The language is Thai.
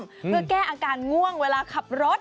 เพื่อแก้อาการง่วงเวลาขับรถ